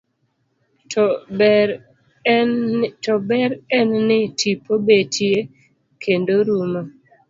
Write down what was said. To ber en ni tipo betie kendo rumo